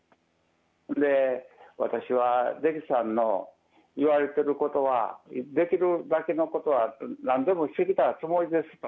ほんで、私は出来さんの言われてることは、できるだけのことはなんでもしてきたつもりですと。